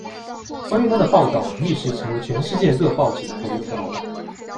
关于她的报道一时成为全世界各报纸的头条。